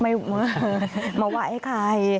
ไม่ว่ามาไหว้ให้ใคร